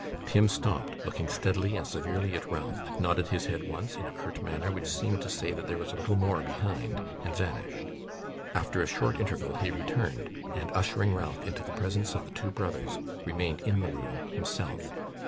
Tim stopped, looked steadily and severely at Ralph, nodded his head once, in a curt manner which seemed to say there was a little more behind, and vanished. After a short interval, he returned, and, ushering Ralph into the presence of the two brothers, remained in the room himself.